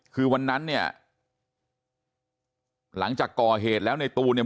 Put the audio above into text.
คือวันนั้นเนี่ยหลังจากก่อเหตุแล้วในตูนเนี่ย